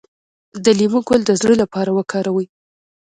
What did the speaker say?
د لیمو ګل د زړه لپاره وکاروئ